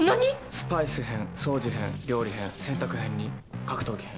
スパイス編掃除編料理編洗濯編に格闘技編。